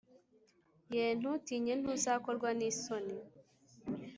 Ye ntutinye ntuzakorwa n isoni